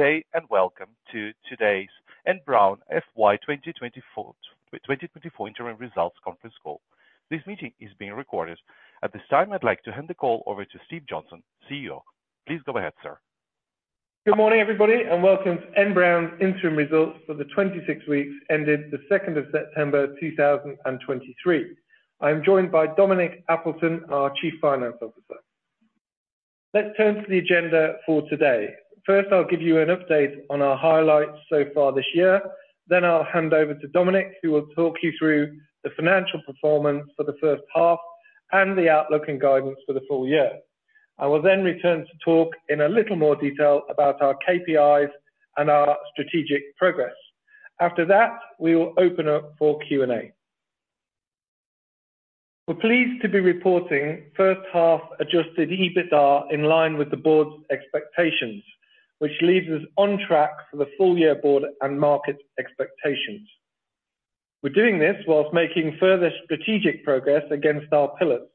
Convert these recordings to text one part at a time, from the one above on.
Good day, and welcome to today's N Brown FY 2024 Interim Results Conference Call. This meeting is being recorded. At this time, I'd like to hand the call over to Steve Johnson, CEO. Please go ahead, sir. Good morning, everybody, and welcome to N Brown's interim results for the 26 weeks ending the 2 September 2023. I am joined by Dominic Appleton, our Chief Financial Officer. Let's turn to the agenda for today. First, I'll give you an update on our highlights so far this year, then I'll hand over to Dominic, who will talk you through the financial performance for the H1 and the outlook and guidance for the full year. I will then return to talk in a little more detail about our KPIs and our strategic progress. After that, we will open up for Q&A. We're pleased to be reporting H1 adjusted EBITDA in line with the board's expectations, which leaves us on track for the full-year board and market expectations. We're doing this whilst making further strategic progress against our pillars.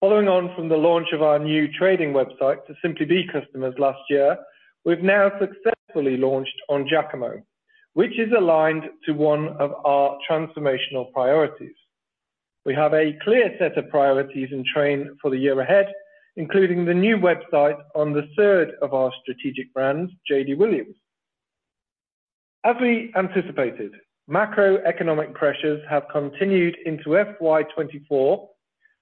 Following on from the launch of our new trading website to Simply Be customers last year, we've now successfully launched on Jacamo, which is aligned to one of our transformational priorities. We have a clear set of priorities in train for the year ahead, including the new website on the third of our strategic brands, JD Williams. As we anticipated, macroeconomic pressures have continued into FY 2024,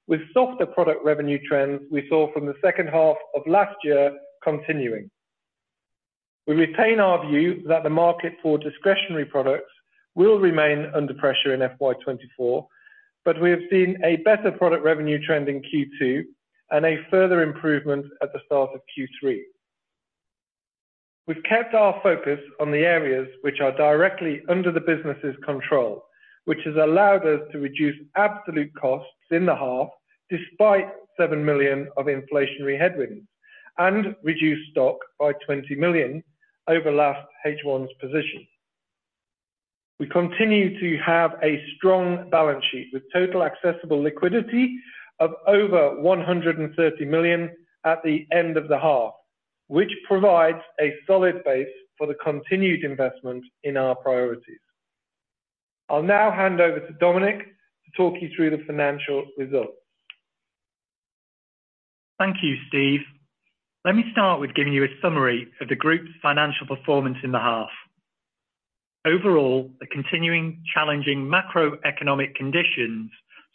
with softer product revenue trends we saw from the H2 of last year continuing. We retain our view that the market for discretionary products will remain under pressure in FY 2024, but we have seen a better product revenue trend in Q2 and a further improvement at the start of Q3. We've kept our focus on the areas which are directly under the business's control, which has allowed us to reduce absolute costs in the half, despite 7 million of inflationary headwinds, and reduce stock by 20 million over last H1's position. We continue to have a strong balance sheet, with total accessible liquidity of over 130 million at the end of the half, which provides a solid base for the continued investment in our priorities. I'll now hand over to Dominic to talk you through the financial results. Thank you, Steve. Let me start with giving you a summary of the group's financial performance in the half. Overall, the continuing challenging macroeconomic conditions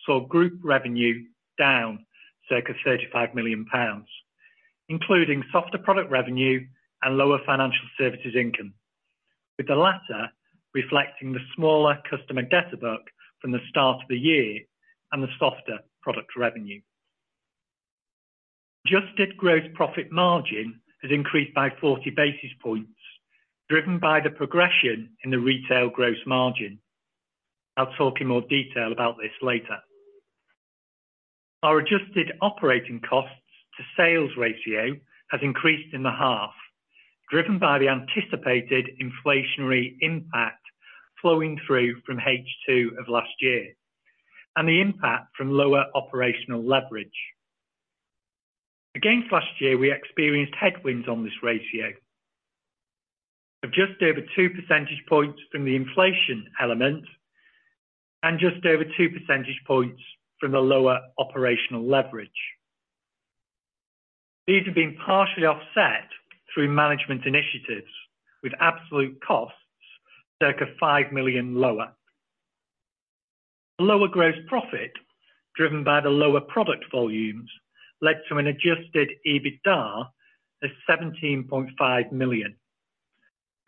saw group revenue down circa 35 million pounds, including softer product revenue and lower financial services income, with the latter reflecting the smaller customer debtor book from the start of the year and the softer product revenue. Adjusted gross profit margin has increased by 40 basis points, driven by the progression in the retail gross margin. I'll talk in more detail about this later. Our adjusted operating costs to sales ratio has increased in the half, driven by the anticipated inflationary impact flowing through from H2 of last year and the impact from lower operational leverage. Last year, we experienced headwinds on this ratio of just over two percentage points from the inflation element and just over two percentage points from the lower operational leverage. These have been partially offset through management initiatives with absolute costs, circa 5 million lower. Lower gross profit, driven by the lower product volumes, led to an adjusted EBITDA of 17.5 million,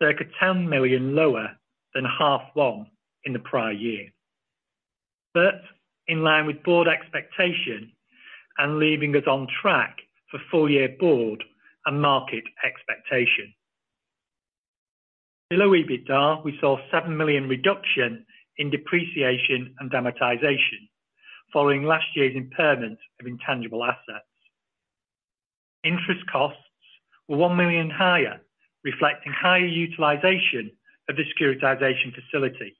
circa 10 million lower than half one in the prior year. In line with board expectation and leaving us on track for full-year board and market expectation. Below EBITDA, we saw 7 million reduction in depreciation and amortization following last year's impairment of intangible assets. Interest costs were 1 million higher, reflecting higher utilization of the securitization facility,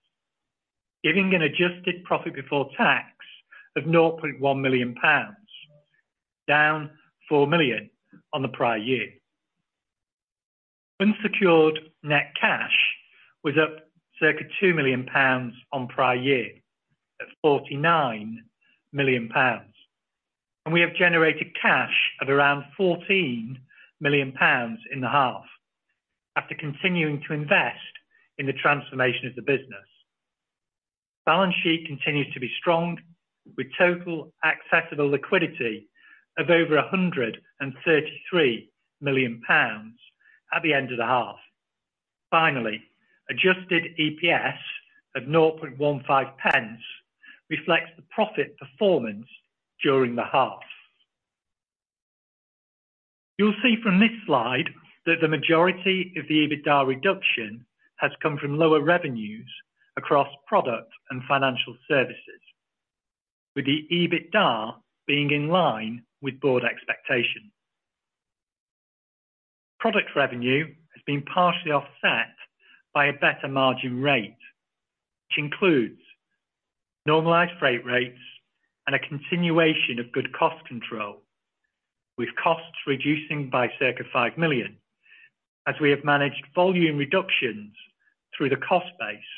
giving an adjusted profit before tax of 0.1 million pounds, down 4 million on the prior year. Unsecured net cash was up circa 2 million pounds on prior year, at 49 million pounds, and we have generated cash of around 14 million pounds in the half, after continuing to invest in the transformation of the business. Balance sheet continues to be strong, with total accessible liquidity of over 133 million pounds at the end of the half. Finally, adjusted EPS of 0.15 reflects the profit performance during the half. You'll see from this slide that the majority of the EBITDA reduction has come from lower revenues across products and financial services, with the EBITDA being in line with board expectation. Product revenue has been partially offset by a better margin rate, which includes:- normalized freight rates, and a continuation of good cost control, with costs reducing by circa 5 million, as we have managed volume reductions through the cost base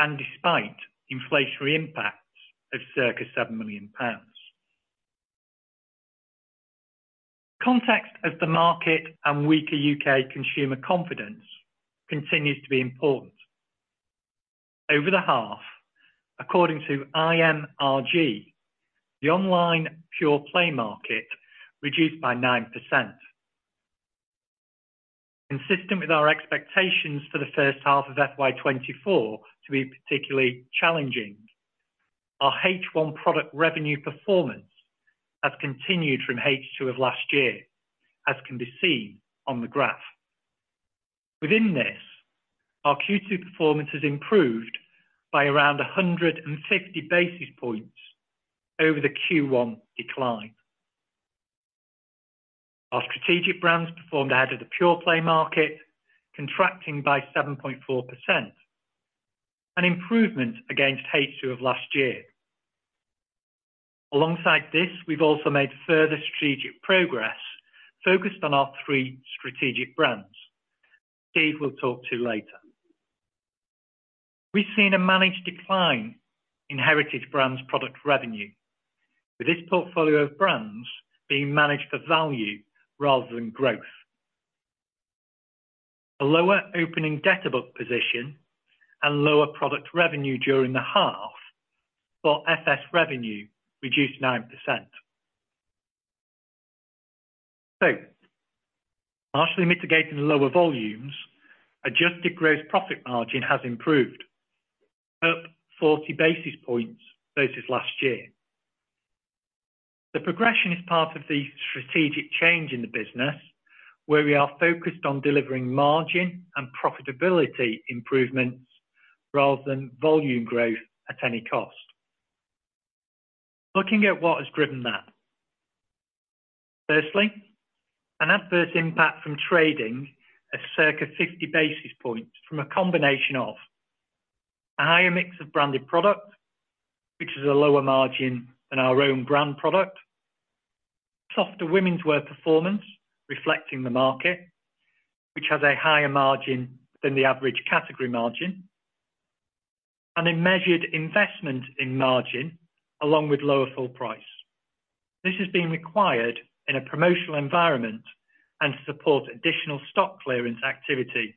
and despite inflationary impacts of circa GBP 7 million. Context of the market and weaker UK consumer confidence continues to be important. Over the half, according to IMRG, the online pure play market reduced by 9%. Consistent with our expectations for the H1 of FY 2024 to be particularly challenging, our H1 product revenue performance has continued from H2 of last year, as can be seen on the graph. Within this, our Q2 performance has improved by around 150 basis points over the Q1 decline. Our strategic brands performed ahead of the pure play market, contracting by 7.4%, an improvement against H2 of last year. Alongside this, we've also made further strategic progress focused on our three strategic brands. Steve will talk to you later. We've seen a managed decline in heritage brands product revenue, with this portfolio of brands being managed for value rather than growth. A lower opening debt above position and lower product revenue during the half, while FS revenue reduced 9%. Partially mitigating lower volumes, adjusted gross profit margin has improved, up 40 basis points versus last year. The progression is part of the strategic change in the business, where we are focused on delivering margin and profitability improvements rather than volume growth at any cost. Looking at what has driven that. Firstly, an adverse impact from trading of circa 50 basis points from a combination of a higher mix of branded product, which is a lower margin than our own brand product. Softer womenswear performance, reflecting the market, which has a higher margin than the average category margin, and a measured investment in margin along with lower full price. This has been required in a promotional environment and to support additional stock clearance activity,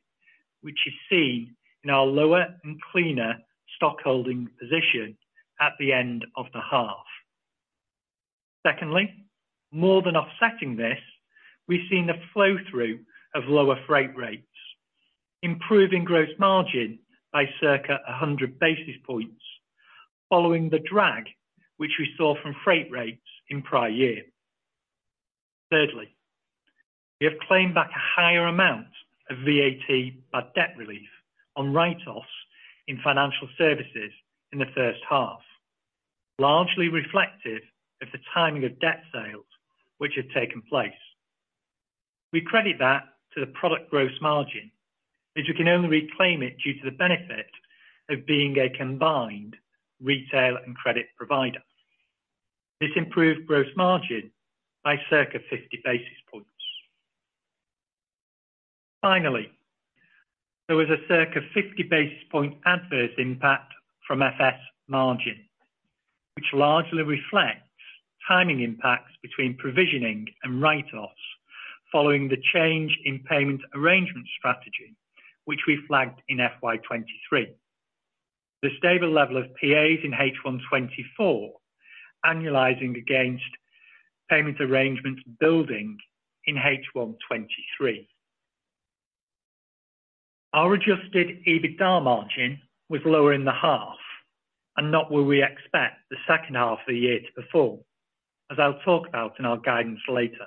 which is seen in our lower and cleaner stock holding position at the end of the half. Secondly, more than offsetting this, we've seen a flow-through of lower freight rates, improving gross margin by circa 100 basis points, following the drag, which we saw from freight rates in prior year. Thirdly, we have claimed back a higher amount of VAT by debt relief on write-offs in financial services in the H1, largely reflective of the timing of debt sales, which had taken place. We credit that to the product gross margin, as we can only reclaim it due to the benefit of being a combined retail and credit provider. This improved gross margin by circa 50 basis points. Finally, there was a circa 50 basis point adverse impact from FS margin, which largely reflects timing impacts between provisioning and write-offs following the change in payment arrangement strategy, which we flagged in FY 2023. The stable level of PAs in H1 2024, annualizing against payment arrangements building in H1 2023. Our adjusted EBITDA margin was lower in the half and not where we expect the H2 of the year to perform, as I'll talk about in our guidance later.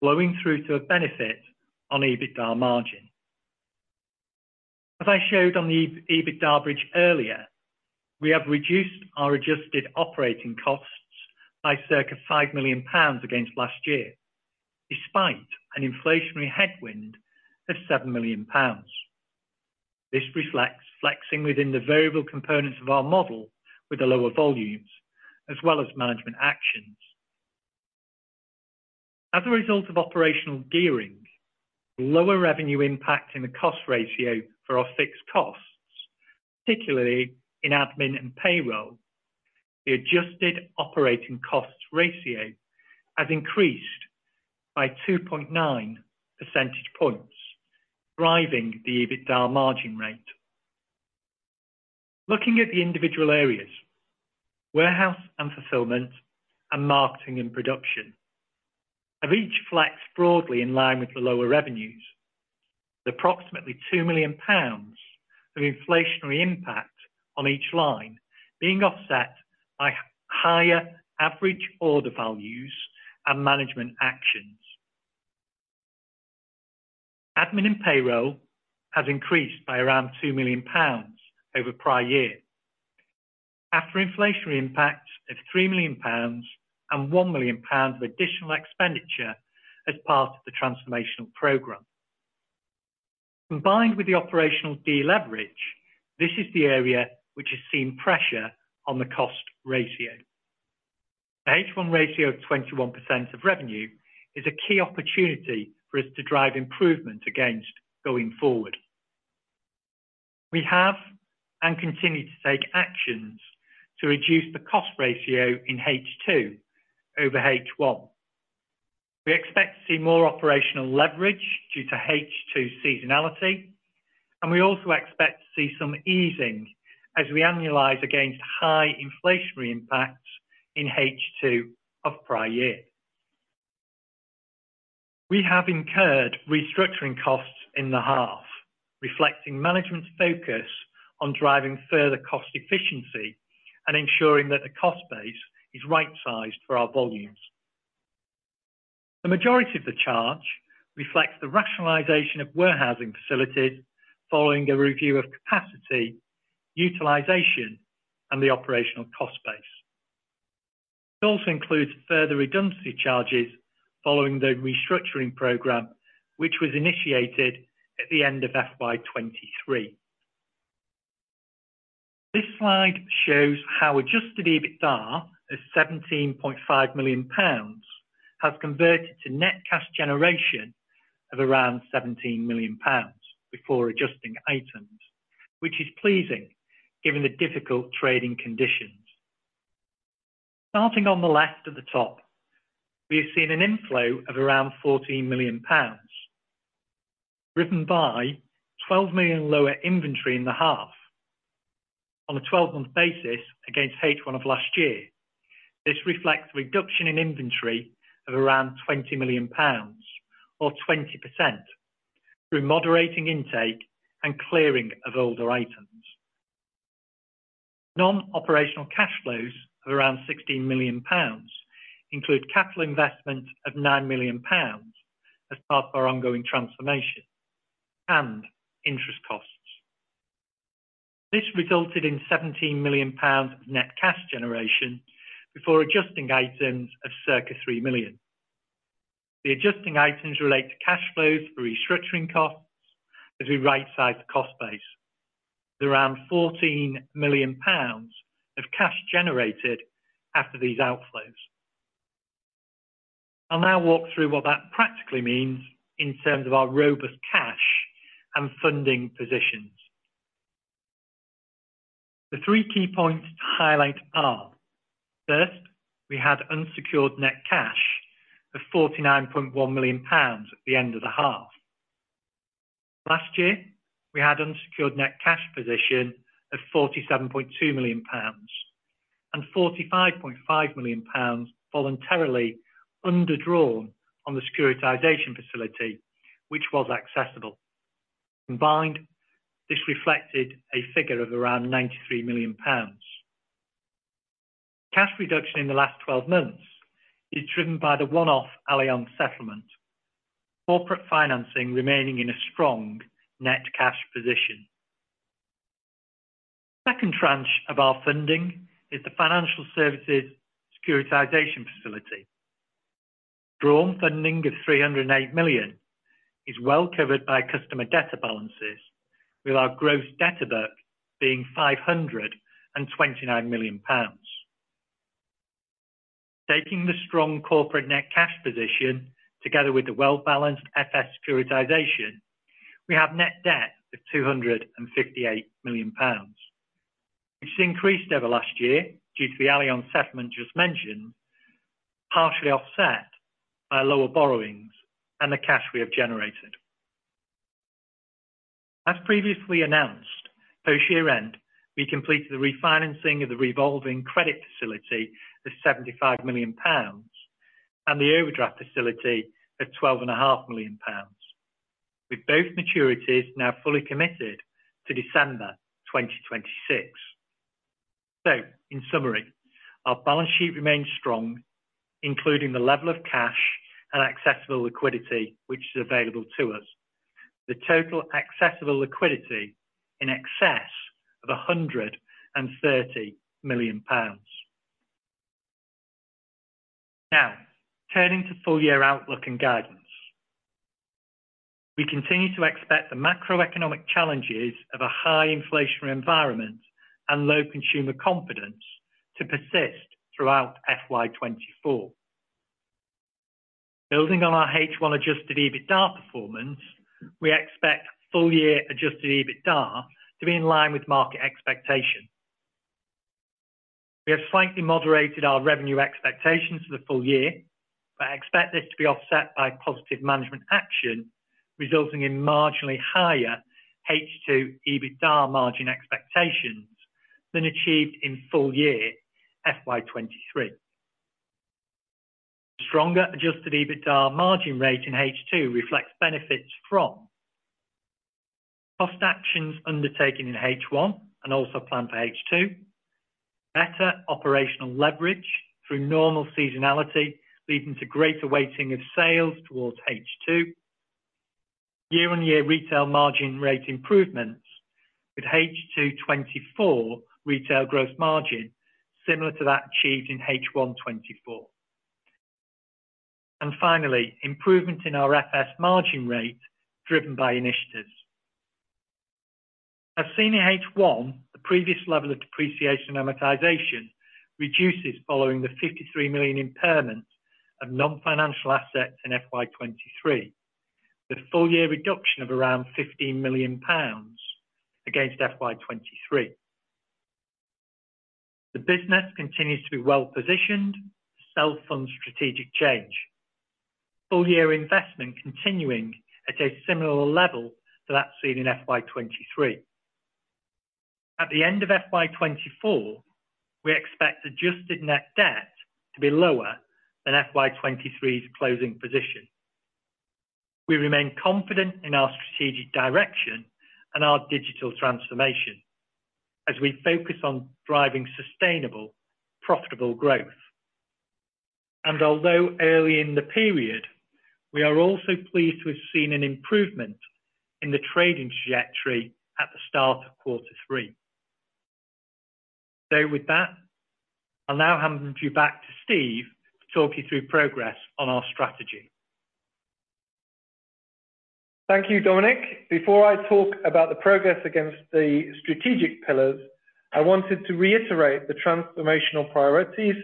As I just talked to, adjusted gross margin improved by 40 basis points in H1, flowing through to a benefit on EBITDA margin. As I showed on the EBITDA bridge earlier, we have reduced our adjusted operating costs by circa 5 million pounds against last year, despite an inflationary headwind of 7 million pounds. This reflects flexing within the variable components of our model with the lower volumes, as well as management actions. As a result of operational gearing, lower revenue impact in the cost ratio for our fixed costs, particularly in admin and payroll, the adjusted operating costs ratio has increased by 2.9 percentage points, driving the EBITDA margin rate. Looking at the individual areas, warehouse and fulfillment and marketing and production have each flexed broadly in line with the lower revenues. The approximately 2 million pounds of inflationary impact on each line being offset by higher average order values and management actions. Admin and payroll has increased by around 2 million pounds over prior year, after inflationary impacts of 3 million pounds and 1 million pounds of additional expenditure as part of the transformational program. Combined with the operational deleverage, this is the area which has seen pressure on the cost ratio. The H1 ratio of 21% of revenue is a key opportunity for us to drive improvement against going forward. We have and continue to take actions to reduce the cost ratio in H2 over H1. We expect to see more operational leverage due to H2 seasonality, and we also expect to see some easing as we annualize against high inflationary impacts in H2 of prior year. We have incurred restructuring costs in the half, reflecting management's focus on driving further cost efficiency and ensuring that the cost base is right-sized for our volumes. The majority of the charge reflects the rationalization of warehousing facilities following a review of capacity, utilization, and the operational cost base. It also includes further redundancy charges following the restructuring program, which was initiated at the end of FY 2023. This slide shows how Adjusted EBITDA of 17.5 million pounds has converted to net cash generation of around 17 million pounds before adjusting items, which is pleasing given the difficult trading conditions. Starting on the left at the top, we have seen an inflow of around 14 million pounds, driven by 12 million lower inventory in the half. On a 12-month basis against H1 of last year, this reflects reduction in inventory of around 20 million pounds or 20%, through moderating intake and clearing of older items. Non-operational cash flows of around 16 million pounds include capital investment of 9 million pounds as part of our ongoing transformation and interest costs. This resulted in GBP 17 million of net cash generation before adjusting items of circa 3 million. The adjusting items relate to cash flows for restructuring costs as we right-size the cost base. Around 14 million pounds of cash generated after these outflows. I'll now walk through what that practically means in terms of our robust cash and funding positions. The three key points to highlight are: First, we had unsecured net cash of 49.1 million pounds at the end of the half. Last year, we had unsecured net cash position of 47.2 million pounds and 45.5 million pounds voluntarily underdrawn on the Securitization Facility, which was accessible. Combined, this reflected a figure of around 93 million pounds. Cash reduction in the last 12 months is driven by the one-off Allianz settlement, corporate financing remaining in a strong net cash position. Second tranche of our funding is the financial services securitization facility. Drawn funding of 308 million is well covered by customer debtor balances, with our gross debtor book being 529 million pounds. Taking the strong corporate net cash position together with the well-balanced FS securitization, we have net debt of 258 million pounds, which increased over last year due to the Allianz settlement just mentioned, partially offset by lower borrowings and the cash we have generated. As previously announced, post-year-end, we completed the refinancing of the revolving credit facility of 75 million pounds and the overdraft facility of 12.5 million pounds, with both maturities now fully committed to December 2026. In summary, our balance sheet remains strong, including the level of cash and accessible liquidity which is available to us. The total accessible liquidity in excess of GBP 130 million. Now, turning to full year outlook and guidance. We continue to expect the macroeconomic challenges of a high inflationary environment and low consumer confidence to persist throughout FY 2024. Building on our H1 adjusted EBITDA performance, we expect full year adjusted EBITDA to be in line with market expectation. We have slightly moderated our revenue expectations for the full year, but expect this to be offset by positive management action, resulting in marginally higher H2 EBITDA margin expectations than achieved in full year FY 2023. Stronger adjusted EBITDA margin rate in H2 reflects benefits from: Cost actions undertaken in H1 and also planned for H2. Better operational leverage through normal seasonality, leading to greater weighting of sales towards H2. Year-on-year retail margin rate improvements, with H2 2024 retail growth margin similar to that achieved in H1 2024. Finally, improvement in our FS margin rate, driven by initiatives. As seen in H1, the previous level of depreciation amortization reduces following the 53 million impairment of non-financial assets in FY 2023, with full year reduction of around GBP 15 million against FY 2023. The business continues to be well-positioned to self-fund strategic change. Full year investment continuing at a similar level to that seen in FY 2023. At the end of FY 2024, we expect adjusted net debt to be lower than FY 2023's closing position. We remain confident in our strategic direction and our digital transformation as we focus on driving sustainable, profitable growth. Although early in the period, we are also pleased to have seen an improvement in the trading trajectory at the start of quarter three. With that, I'll now hand you back to Steve to talk you through progress on our strategy. Thank you, Dominic. Before I talk about the progress against the strategic pillars, I wanted to reiterate the transformational priorities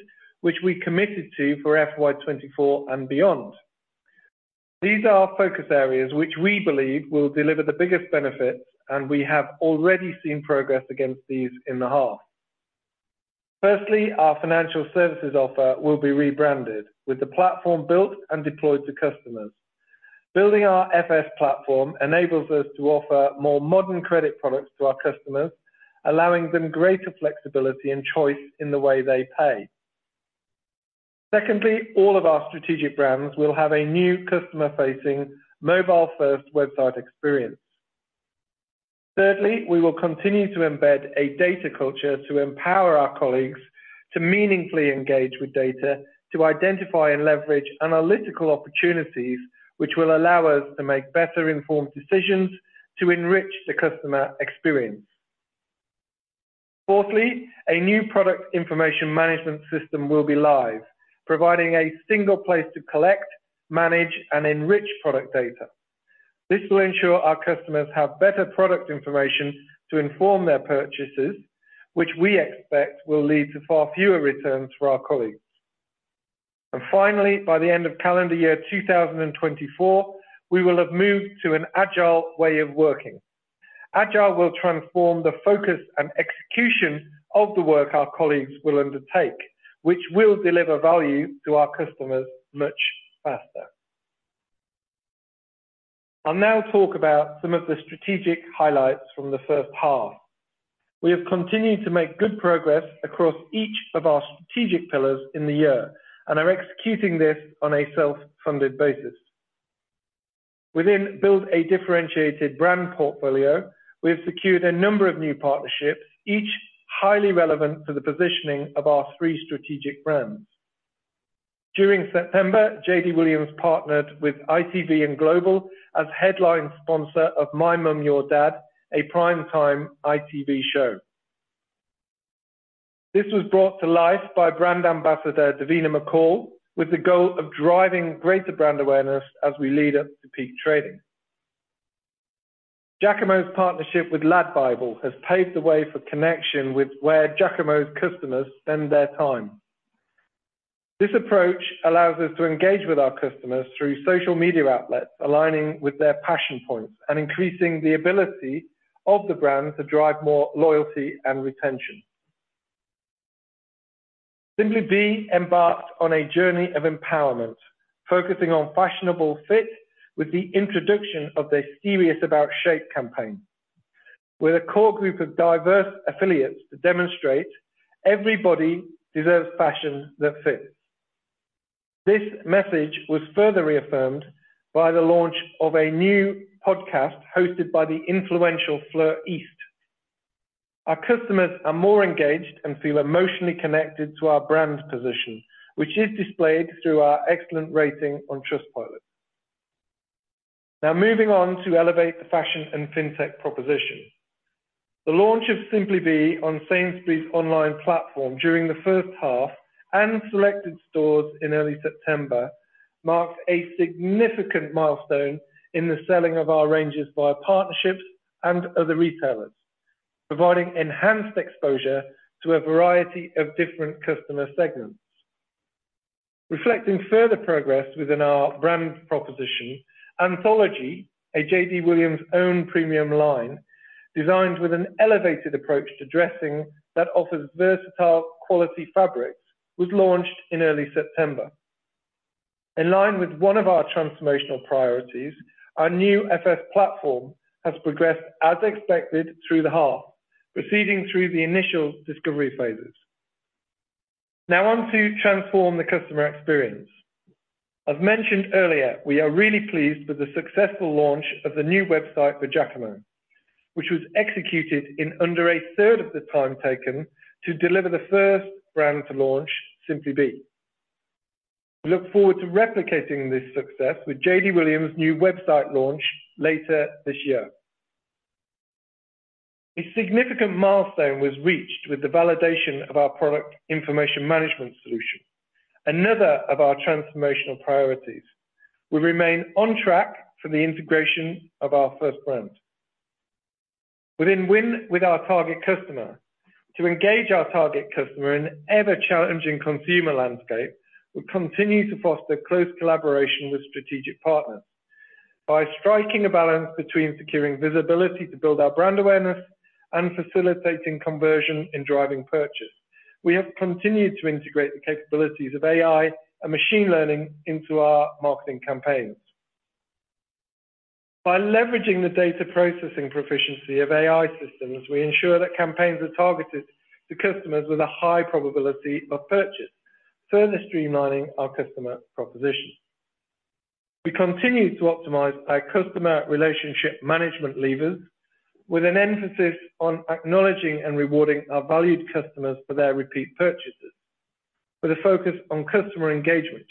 which we committed to for FY 2024 and beyond. These are our focus areas, which we believe will deliver the biggest benefits, and we have already seen progress against these in the half. Firstly, our financial services offer will be rebranded, with the platform built and deployed to customers. Building our FS platform enables us to offer more modern credit products to our customers, allowing them greater flexibility and choice in the way they pay. Secondly, all of our strategic brands will have a new customer-facing, mobile-first website experience. Thirdly, we will continue to embed a data culture to empower our colleagues to meaningfully engage with data, to identify and leverage analytical opportunities, which will allow us to make better informed decisions to enrich the customer experience. Fourthly, a new product information management system will be live, providing a single place to collect, manage, and enrich product data. This will ensure our customers have better product information to inform their purchases, which we expect will lead to far fewer returns for our colleagues. Finally, by the end of calendar year 2024, we will have moved to an agile way of working. Agile will transform the focus and execution of the work our colleagues will undertake, which will deliver value to our customers much faster. I'll now talk about some of the strategic highlights from the H1. We have continued to make good progress across each of our strategic pillars in the year and are executing this on a self-funded basis. Within build a differentiated brand portfolio, we have secured a number of new partnerships, each highly relevant for the positioning of our three strategic brands. During September, JD Williams partnered with ITV and Global as headline sponsor of My Mum, Your Dad, a prime-time ITV show. This was brought to life by brand ambassador Davina McCall, with the goal of driving greater brand awareness as we lead up to peak trading. Jacamo's partnership with LADbible has paved the way for connection with where Jacamo's customers spend their time. This approach allows us to engage with our customers through social media outlets, aligning with their passion points and increasing the ability of the brand to drive more loyalty and retention. Simply Be embarked on a journey of empowerment, focusing on fashionable fit with the introduction of their Serious About Shape campaign, with a core group of diverse affiliates to demonstrate everybody deserves fashion that fits. This message was further reaffirmed by the launch of a new podcast hosted by the influential Fleur East. Our customers are more engaged and feel emotionally connected to our brand's position, which is displayed through our excellent rating on Trustpilot. Now moving on to elevate the fashion and fintech proposition. The launch of Simply Be on Sainsbury's online platform during the H1 and selected stores in early September marks a significant milestone in the selling of our ranges via partnerships and other retailers, providing enhanced exposure to a variety of different customer segments. Reflecting further progress within our brand proposition, Anthology, a JD Williams own premium line, designed with an elevated approach to dressing that offers versatile quality fabrics, was launched in early September. In line with one of our transformational priorities, our new FS platform has progressed as expected through the half, proceeding through the initial discovery phases. Now on to transform the customer experience. As mentioned earlier, we are really pleased with the successful launch of the new website for Jacamo, which was executed in under a third of the time taken to deliver the first brand to launch, Simply Be. We look forward to replicating this success with JD Williams' new website launch later this year. A significant milestone was reached with the validation of our Product Information Management solution, another of our transformational priorities. We remain on track for the integration of our first brand. Been winning with our target customer, to engage our target customer in an ever-challenging consumer landscape, we continue to foster close collaboration with strategic partners. By striking a balance between securing visibility to build our brand awareness and facilitating conversion in driving purchase, we have continued to integrate the capabilities of AI and machine learning into our marketing campaigns. By leveraging the data processing proficiency of AI systems, we ensure that campaigns are targeted to customers with a high probability of purchase, further streamlining our customer proposition. We continue to optimize our customer relationship management levers, with an emphasis on acknowledging and rewarding our valued customers for their repeat purchases. With a focus on customer engagement,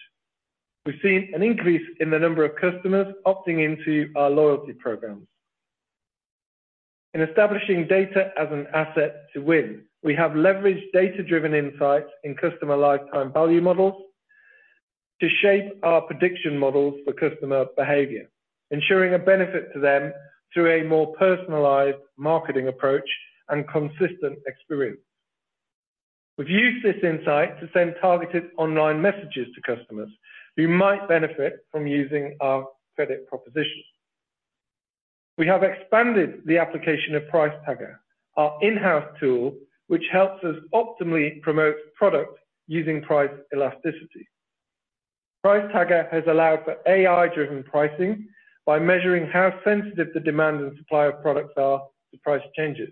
we've seen an increase in the number of customers opting into our loyalty programs. In establishing data as an asset to win, we have leveraged data-driven insights in Customer Lifetime Value models to shape our prediction models for customer behavior, ensuring a benefit to them through a more personalized marketing approach and consistent experience. We've used this insight to send targeted online messages to customers who might benefit from using our credit proposition. We have expanded the application of Price Tagger, our in-house tool, which helps us optimally promote product using price elasticity. Price Tagger has allowed for AI-driven pricing by measuring how sensitive the demand and supply of products are to price changes.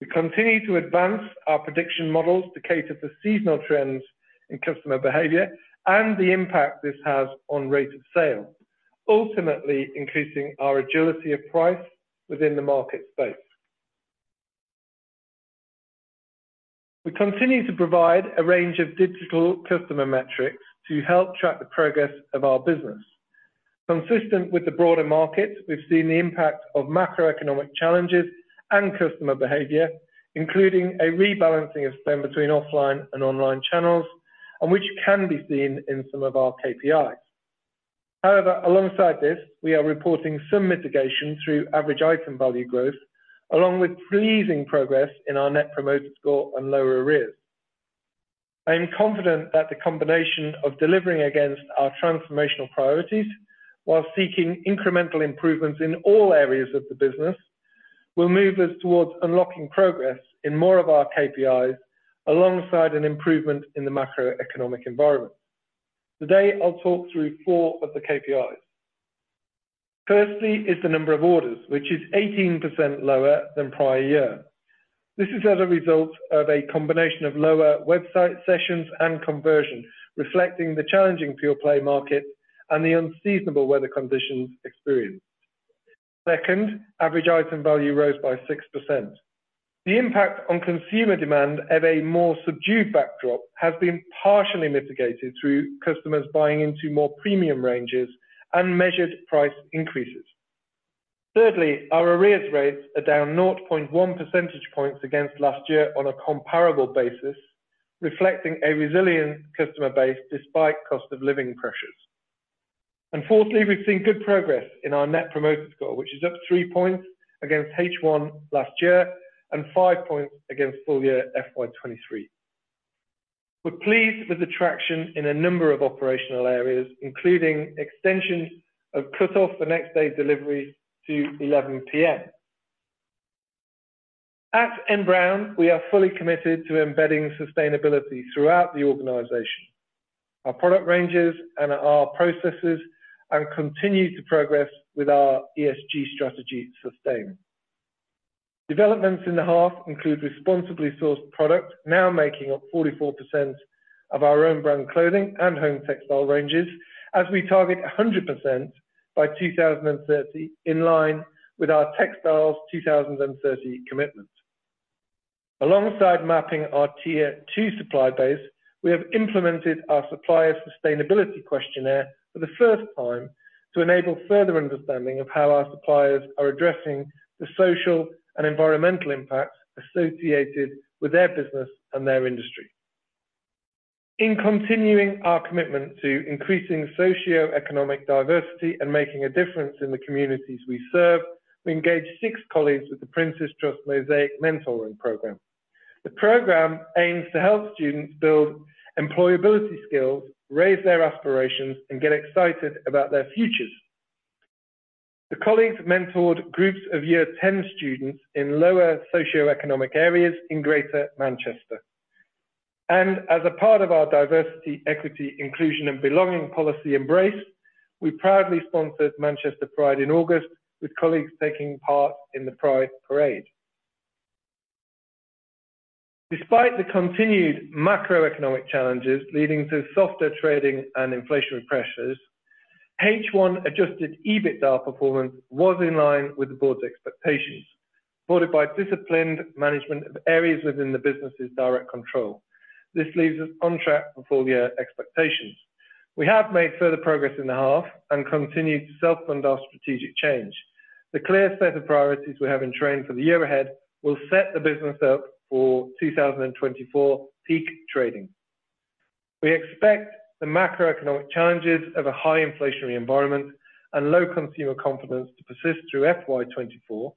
We continue to advance our prediction models to cater for seasonal trends in customer behavior and the impact this has on rate of sale, ultimately increasing our agility of price within the market space. We continue to provide a range of digital customer metrics to help track the progress of our business. Consistent with the broader market, we've seen the impact of macroeconomic challenges and customer behavior, including a rebalancing of spend between offline and online channels, and which can be seen in some of our KPIs. However, alongside this, we are reporting some mitigation through average item value growth, along with pleasing progress in our Net Promoter Score and lower arrears. I am confident that the combination of delivering against our transformational priorities while seeking incremental improvements in all areas of the business, will move us towards unlocking progress in more of our KPIs, alongside an improvement in the macroeconomic environment. Today, I'll talk through four of the KPIs. Firstly, is the number of orders, which is 18% lower than prior year. This is as a result of a combination of lower website sessions and conversion, reflecting the challenging pure play market and the unseasonable weather conditions experienced. Second, average item value rose by 6%. The impact on consumer demand at a more subdued backdrop has been partially mitigated through customers buying into more premium ranges and measured price increases. Thirdly, our arrears rates are down 0.1 percentage points against last year on a comparable basis, reflecting a resilient customer base despite cost of living pressures. Fourthly, we've seen good progress in our Net Promoter Score, which is up 3 points against H1 last year and five points against full year FY 2023. We're pleased with the traction in a number of operational areas, including extension of cut-off the next day delivery to 11:00 P.M. At N Brown, we are fully committed to embedding sustainability throughout the organization, our product ranges and our processes, and continue to progress with our ESG strategy Sustain. Developments in the half include responsibly sourced product, now making up 44% of our own brand clothing and home textile ranges, as we target 100% by 2030, in line with our Textiles 2030 commitment. Alongside mapping our tier two supply base, we have implemented our supplier sustainability questionnaire for the first time, to enable further understanding of how our suppliers are addressing the social and environmental impacts associated with their business and their industry. In continuing our commitment to increasing socioeconomic diversity and making a difference in the communities we serve, we engaged six colleagues with the Prince's Trust Mosaic Mentoring program. The program aims to help students build employability skills, raise their aspirations, and get excited about their futures. The colleagues mentored groups of year 10 students in lower socioeconomic areas in Greater Manchester, and as a part of our diversity, equity, inclusion, and belonging policy. We proudly sponsored Manchester Pride in August, with colleagues taking part in the Pride Parade. Despite the continued macroeconomic challenges leading to softer trading and inflationary pressures, H1 adjusted EBITDA performance was in line with the board's expectations, supported by disciplined management of areas within the business's direct control. This leaves us on track for full year expectations. We have made further progress in the half and continued to self-fund our strategic change. The clear set of priorities we have in train for the year ahead will set the business up for 2024 peak trading. We expect the macroeconomic challenges of a high inflationary environment and low consumer confidence to persist through FY 2024.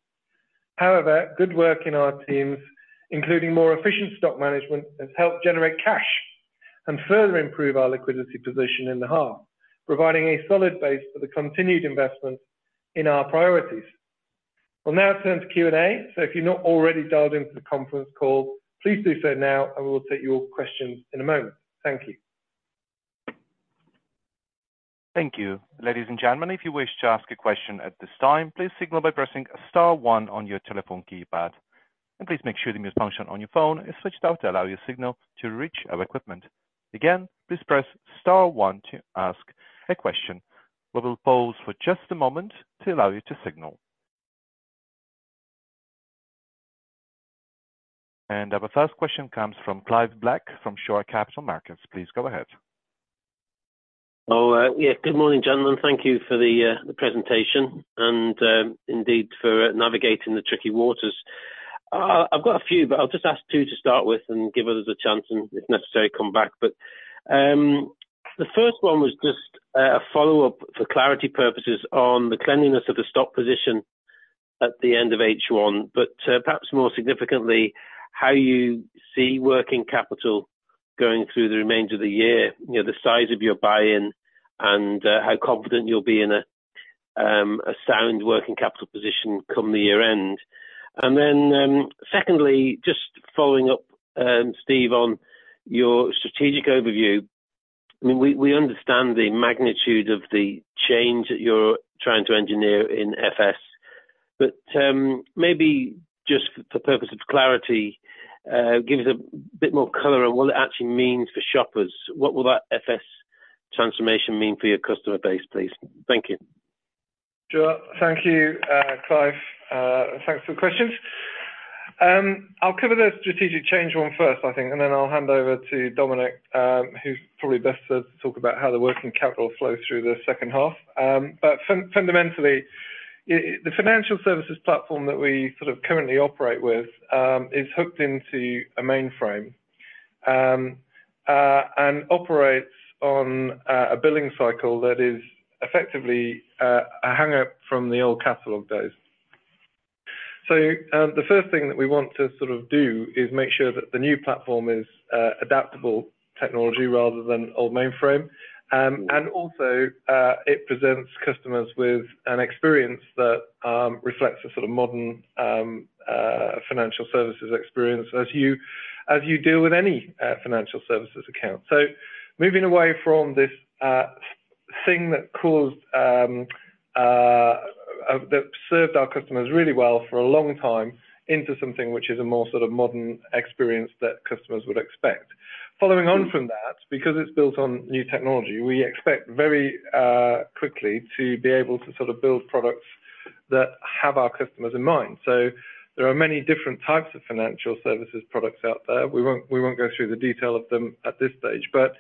However, good work in our teams, including more efficient stock management, has helped generate cash and further improve our liquidity position in the half, providing a solid base for the continued investment in our priorities. We'll now turn to Q&A, so if you're not already dialed into the conference call, please do so now, and we will take your questions in a moment. Thank you. Thank you. Ladies and gentlemen, if you wish to ask a question at this time, please signal by pressing star one on your telephone keypad, and please make sure the mute function on your phone is switched off to allow your signal to reach our equipment. Again, please press star one to ask a question. We will pause for just a moment to allow you to signal. Our first question comes from Clive Black, from Shore Capital Markets. Please go ahead. Oh, yeah, good morning, gentlemen. Thank you for the, the presentation and, indeed, for navigating the tricky waters. I've got a few, but I'll just ask two to start with and give others a chance, and if necessary, come back. The first one was just, a follow-up for clarity purposes on the cleanliness of the stock position at the end of H1, but, perhaps more significantly, how you see working capital going through the remainder of the year, you know, the size of your buy-in and, how confident you'll be in a, a sound working capital position come the year end. Then, secondly, just following up, Steve, on your strategic overview. I mean, we understand the magnitude of the change that you're trying to engineer in FS, but maybe just for purpose of clarity, give us a bit more color on what it actually means for shoppers. What will that FS transformation mean for your customer base, please? Thank you. Sure. Thank you, Clive. Thanks for the questions. I'll cover the strategic change one first, I think, and then I'll hand over to Dominic, who's probably best to talk about how the working capital flows through the H2. But fundamentally, the financial services platform that we sort of currently operate with is hooked into a mainframe and operates on a billing cycle that is effectively a hang-up from the old catalog days. The first thing that we want to sort of do is make sure that the new platform is adaptable technology rather than old mainframe and also, it presents customers with an experience that reflects a sort of modern financial services experience as you, as you do with any financial services account. Moving away from this thing that caused, that served our customers really well for a long time into something which is a more sort of modern experience that customers would expect. Following on from that, because it's built on new technology, we expect very quickly to be able to sort of build products that have our customers in mind. There are many different types of financial services products out there. We won't, we won't go through the detail of them at this stage, but,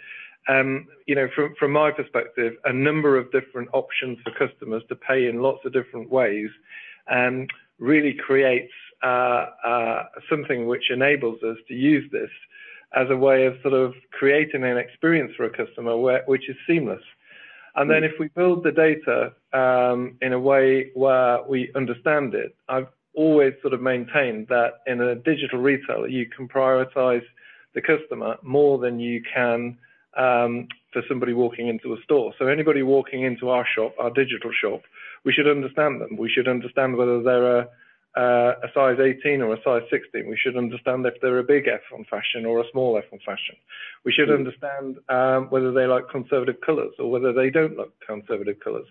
you know, from my perspective, a number of different options for customers to pay in lots of different ways really creates something which enables us to use this as a way of sort of creating an experience for a customer which is seamless. Then if we build the data, in a way where we understand it, I've always sort of maintained that in a digital retailer, you can prioritize the customer more than you can, for somebody walking into a store. So anybody walking into our shop, our digital shop, we should understand them. We should understand whether they're a size 18 or a size 16. We should understand if they're a big F on fashion or a small F on fashion. We should understand whether they like conservative colors or whether they don't like conservative colors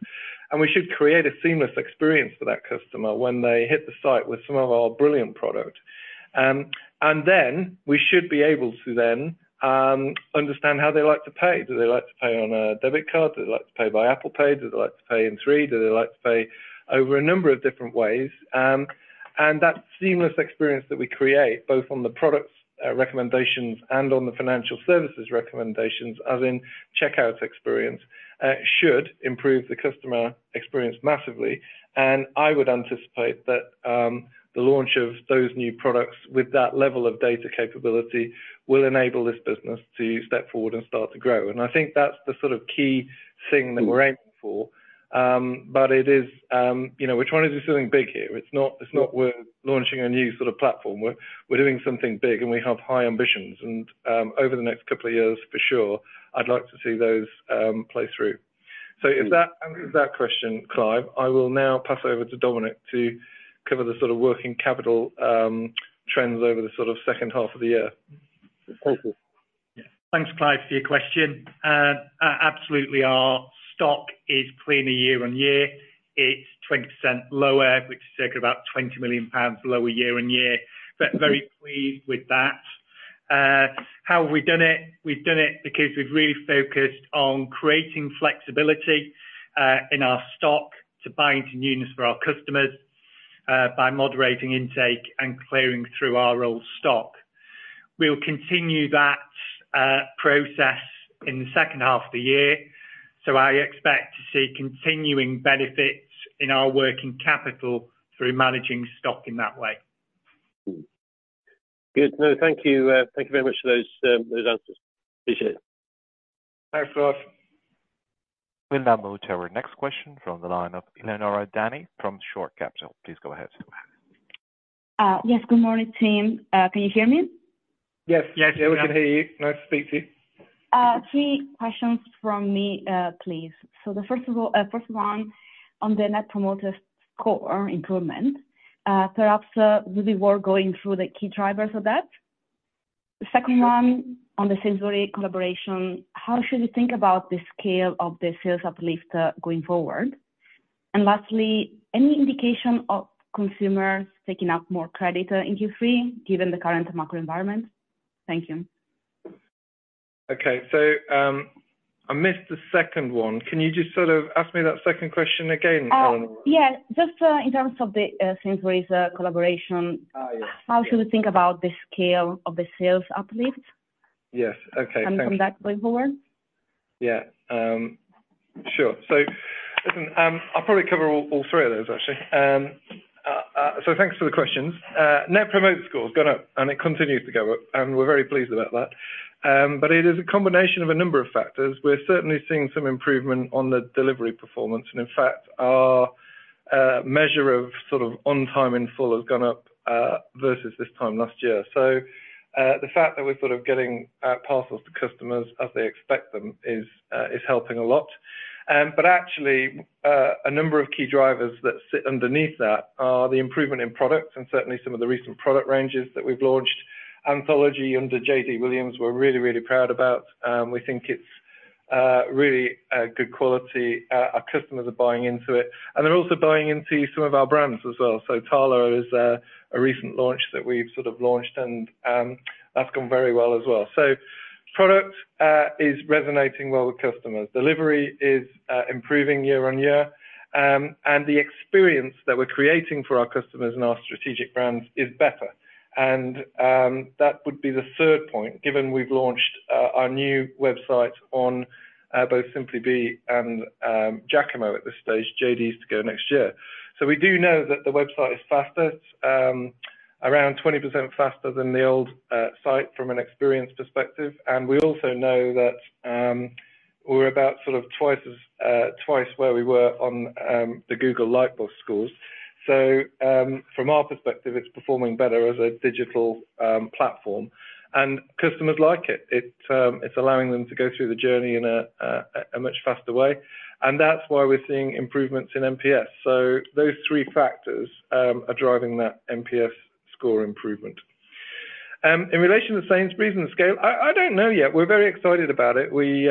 and we should create a seamless experience for that customer when they hit the site with some of our brilliant product and then, we should be able to then understand how they like to pay. Do they like to pay on a debit card? Do they like to pay by Apple Pay? Do they like to pay in three? Do they like to pay over a number of different ways? That seamless experience that we create, both on the products, recommendations and on the financial services recommendations, as in checkout experience, should improve the customer experience massively and I would anticipate that, the launch of those new products with that level of data capability, will enable this business to step forward and start to grow and I think that's the sort of key thing that we're aiming for. But it is, you know, we're trying to do something big here. It's not, it's not we're launching a new sort of platform. We're, we're doing something big, and we have high ambitions. Over the next couple of years, for sure, I'd like to see those play through. If that answers that question, Clive, I will now pass over to Dominic to cover the sort of working capital trends over the sort of H2 of the year. Absolutely. Thanks, Clive, for your question. Absolutely, our stock is cleaner year on year. It's 20% lower, which is circa about 20 million pounds lower year on year. Very pleased with that. How have we done it? We've done it because we've really focused on creating flexibility in our stock to buy into newness for our customers by moderating intake and clearing through our old stock. We'll continue that process in the H2 of the year, so I expect to see continuing benefits in our working capital through managing stock in that way. Good. No, thank you. Thank you very much for those, those answers. Appreciate it. Thanks, Clive. We'll now move to our next question from the line of Eleonora Dani from Shore Capital. Please go ahead. Yes, good morning, team. Can you hear me? Yes. Yes. Yeah, we can hear you. Nice to speak to you. Three questions from me, please. The first one on the Net Promoter Score improvement. Perhaps, would you work going through the key drivers of that? The second one on the Sainsbury's collaboration, how should we think about the scale of the sales uplift going forward? Lastly, any indication of consumers taking up more credit in Q3, given the current macro environment? Thank you. Okay. I missed the second one. Can you just sort of ask me that second question again, Eleonora? Yes, just, in terms of the Sainsbury's collaboration. Ah, yes. How should we think about the scale of the sales uplift? Yes. Okay, thanks. From that going forward. Yeah, sure. Listen, I'll probably cover all, all three of those, actually. Thanks for the questions. Net Promoter Score has gone up, and it continues to go up, and we're very pleased about that. It is a combination of a number of factors. We're certainly seeing some improvement on the delivery performance, and in fact, our measure of sort of on time in full has gone up versus this time last year. The fact that we're sort of getting parcels to customers as they expect them is helping a lot. Actually, a number of key drivers that sit underneath that are the improvement in products and certainly some of the recent product ranges that we've launched. Anthology under JD Williams, we're really, really proud about. We think it's really good quality. Our customers are buying into it, and they're also buying into some of our brands as well. TALA is a recent launch that we've sort of launched, and that's gone very well as well so product is resonating well with customers. Delivery is improving year-over-year and the experience that we're creating for our customers and our strategic brands is better and that would be the third point, given we've launched our new website on both Simply Be and Jacamo at this stage, JD is to go next year. So we do know that the website is faster around 20% faster than the old site from an experience perspective. We also know that we're about twice as, twice where we were on the Google Lighthouse scores. From our perspective, it's performing better as a digital platform, and customers like it. It's allowing them to go through the journey in a much faster way, and that's why we're seeing improvements in NPS. Those three factors are driving that NPS score improvement. In relation to Sainsbury's and scale, I don't know yet. We're very excited about it. We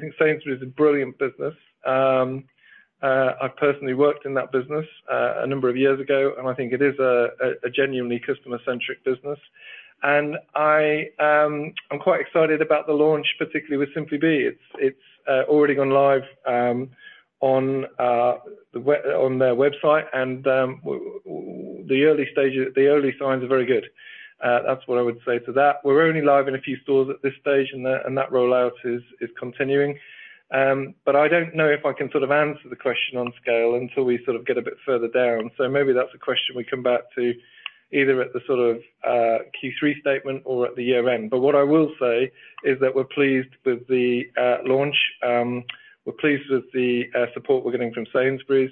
think Sainsbury's is a brilliant business. I personally worked in that business a number of years ago, and I think it is a genuinely customer-centric business. I'm quite excited about the launch, particularly with Simply Be. It's already gone live on the web, on their website, and the early stages. The early signs are very good. That's what I would say to that. We're only live in a few stores at this stage, and that rollout is continuing but I don't know if I can sort of answer the question on scale until we sort of get a bit further down so maybe that's a question we come back to either at the sort of Q3 statement or at the year end. But what I will say is that we're pleased with the launch. We're pleased with the support we're getting from Sainsbury's,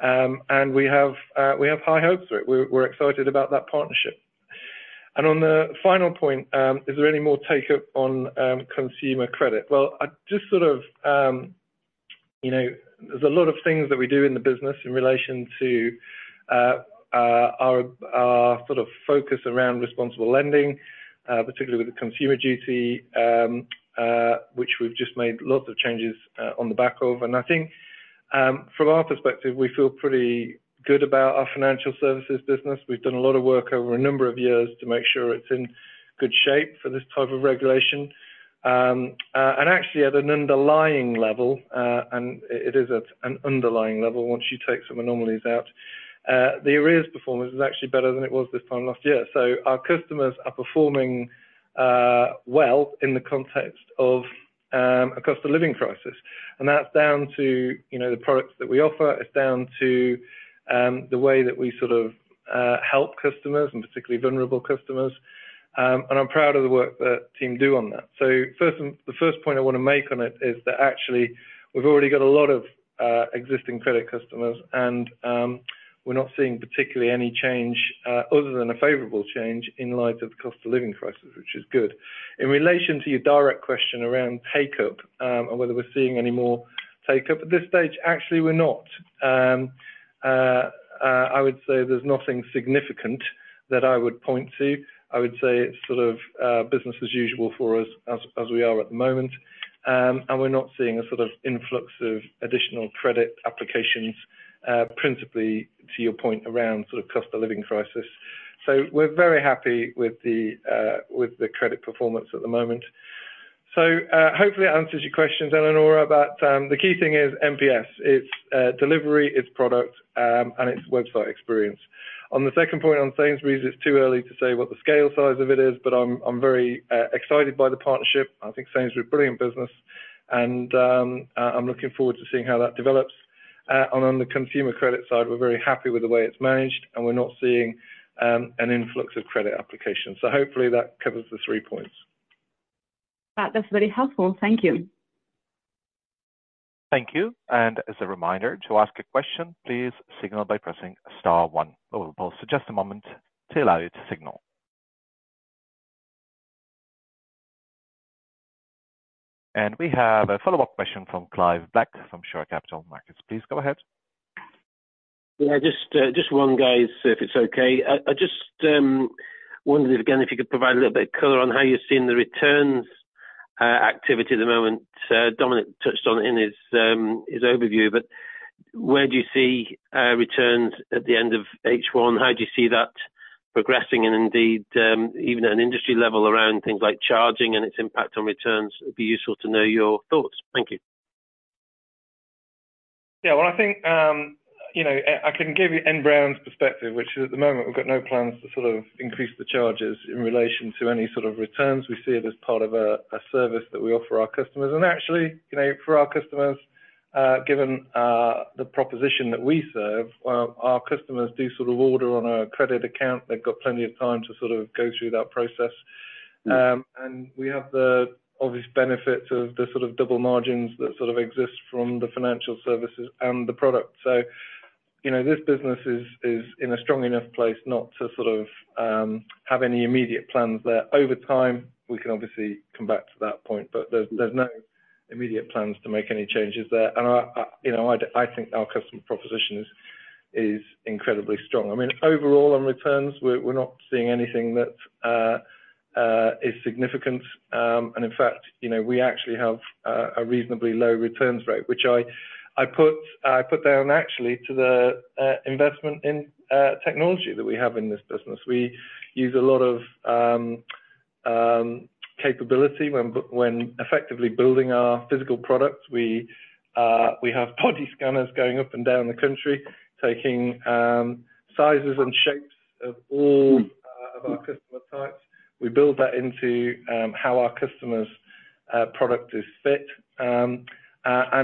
and we have high hopes for it. We're excited about that partnership. On the final point, is there any more take-up on consumer credit? Well, I just sort of, you know, there's a lot of things that we do in the business in relation to our sort of focus around responsible lending, particularly with the Consumer Duty, which we've just made lots of changes on the back of and I think, from our perspective, we feel pretty good about our financial services business. We've done a lot of work over a number of years to make sure it's in good shape for this type of regulation and actually, at an underlying level, and it is at an underlying level, once you take some anomalies out, the arrears performance is actually better than it was this time last year. Our customers are performing well in the context of a cost of living crisis and that's down to, you know, the products that we offer. It's down to the way that we sort of help customers, and particularly vulnerable customers and I'm proud of the work the team do on that. The first point I want to make on it is that actually, we've already got a lot of existing credit customers, and we're not seeing particularly any change other than a favorable change in light of the cost of living crisis, which is good. In relation to your direct question around take-up, and whether we're seeing any more take-up, at this stage, actually, we're not. I would say there's nothing significant that I would point to. I would say it's sort of business as usual for us as we are at the moment. We're not seeing a sort of influx of additional credit applications, principally to your point around sort of cost of living crisis so we're very happy with the credit performance at the moment. Hopefully, that answers your questions, Eleonora, but the key thing is NPS. It's delivery, it's product, and it's website experience. On the second point on Sainsbury's, it's too early to say what the scale size of it is, but I'm very excited by the partnership. I think Sainsbury's is a brilliant business, and I'm looking forward to seeing how that develops. On the consumer credit side, we're very happy with the way it's managed, and we're not seeing an influx of credit applications so hopefully that covers the three points. That is very helpful. Thank you. Thank you. As a reminder, to ask a question, please signal by pressing star one. We will pause just a moment to allow you to signal. We have a follow-up question from Clive Black, from Shore Capital Markets. Please go ahead. Yeah, just, just one, guys, if it's okay. I just wondered if, again, if you could provide a little bit of color on how you're seeing the returns activity at the moment. Dominic touched on it in his overview, but where do you see returns at the end of H1? How do you see that progressing? Indeed, even at an industry level around things like charging and its impact on returns, it'd be useful to know your thoughts. Thank you. Yeah, well, I think, you know, I can give you N Brown's perspective, which is at the moment, we've got no plans to sort of increase the charges in relation to any sort of returns. We see it as part of a service that we offer our customers and actually, you know, for our customers, given the proposition that we serve, our customers do sort of order on a credit account. They've got plenty of time to sort of go through that process and we have the obvious benefits of the sort of double margins that sort of exist from the financial services and the product, so, you know, this business is in a strong enough place not to sort of have any immediate plans there. Over time, we can obviously come back to that point, but there's no immediate plans to make any changes there. I, you know, I think our customer proposition is incredibly strong. I mean, overall, on returns, we're not seeing anything that is significant. In fact, you know, we actually have a reasonably low returns rate, which I put down actually to the investment in technology that we have in this business. We use a lot of capability when effectively building our physical products. We have body scanners going up and down the country, taking sizes and shapes of all of our customer types. We build that into how our customers' product is fit.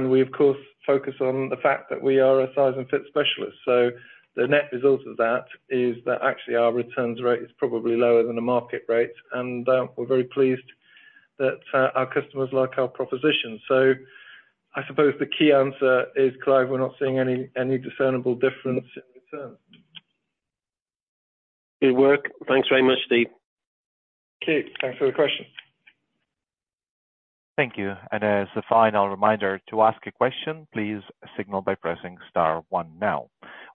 We, of course, focus on the fact that we are a size and fit specialist. The net result of that is that actually our returns rate is probably lower than the market rate, and we're very pleased that our customers like our proposition so I suppose the key answer is, Clive, we're not seeing any discernible difference in returns. Good work. Thanks very much, Steve. Thank you. Thanks for the question. Thank you. As a final reminder, to ask a question, please signal by pressing star one now.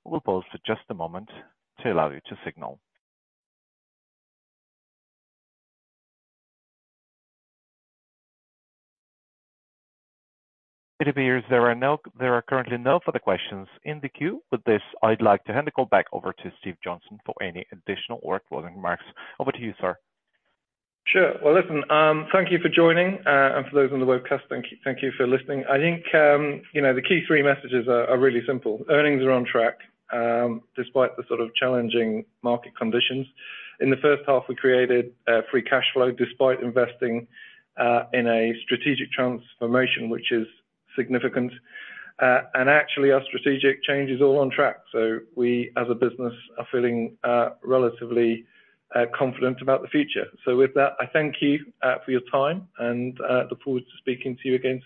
We'll pause for just a moment to allow you to signal. It appears there are no, there are currently no further questions in the queue. With this, I'd like to hand the call back over to Steve Johnson for any additional or closing remarks. Over to you, sir. Sure. Well, listen, thank you for joining, and for those on the webcast, thank you, thank you for listening. I think, you know, the key three messages are really simple. Earnings are on track, despite the sort of challenging market conditions. In the H1, we created free cash flow despite investing in a strategic transformation, which is significant and actually, our strategic change is all on track, so we, as a business, are feeling relatively confident about the future. With that, I thank you for your time, and look forward to speaking to you again.